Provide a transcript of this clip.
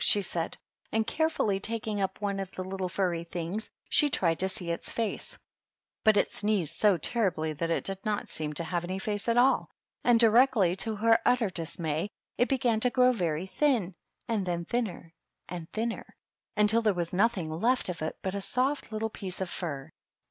she said, and carefully taking up one of the little furry things, she tried to see its face, but it sneezed so terribly that it did not seem to have any face at all ; and directly. 38 THE DUCHESa AND HER HOUSE. to her utter dismay, it began to grow very thin, and then thinner and thinner, until there was nothing left of it but a soit httle piece of fiir.